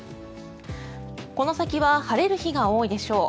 この先は晴れる日が多いでしょう。